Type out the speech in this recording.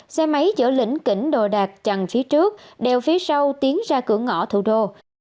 xe máy dở lĩnh kỉnh đồ đạc chằn phía trước đèo phía sau tiến ra cửa ngõ thủ đô